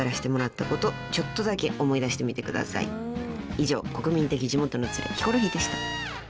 以上国民的地元のツレヒコロヒーでした。